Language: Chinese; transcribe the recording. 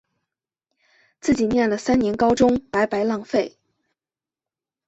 自己念了三年高中白白浪费